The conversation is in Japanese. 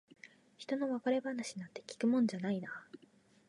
ひとの別れ話なんて聞くもんじゃないな。